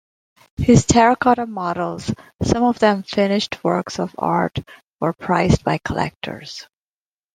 His terracotta models, some of them finished works of art, were prized by collectors.